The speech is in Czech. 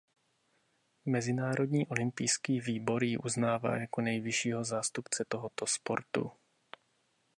Mezinárodní olympijský výbor ji uznává jako nejvyššího zástupce tohoto sportu.